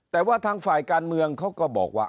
แต่ว่าทางฝ่ายการเมืองเขาก็บอกว่า